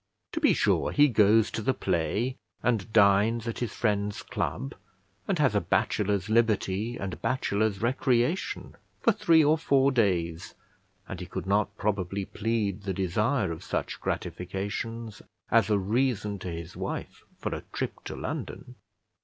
To be sure he goes to the play, and dines at his friend's club, and has a bachelor's liberty and bachelor's recreation for three or four days; and he could not probably plead the desire of such gratifications as a reason to his wife for a trip to London.